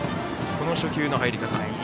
この初球の入り方は。